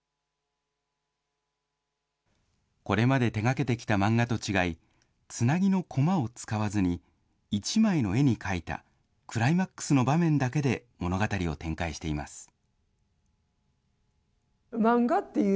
これまで手掛けてきた漫画と違い、つなぎのコマを使わずに、１枚の絵に描いたクライマックスの場面だけで物語を展開しています。